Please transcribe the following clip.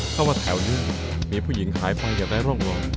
เพราะว่าแถวเรื่องมีผู้หญิงหายไปอยู่ในร่องมอง